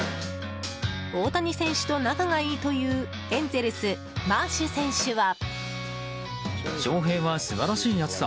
大谷選手と仲がいいというエンゼルス、マーシュ選手は。